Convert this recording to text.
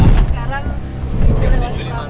sekarang jam tujuh lima belas